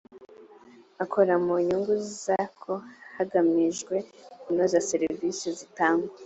akora mu nyungu zako hagamijwe kunoza serivisi zitangwa